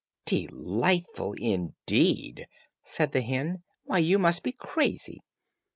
"Delightful, indeed!" said the hen, "why you must be crazy!